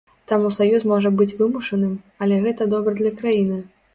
Таму саюз можа быць вымушаным, але гэта добра для краіны.